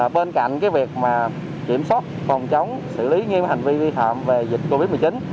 bên cạnh việc kiểm soát phòng chống xử lý nghiêm hành vi vi phạm về dịch covid một mươi chín